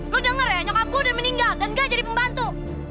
lu denger ya nyokap gue dan meninggal dan gak jadi pembantu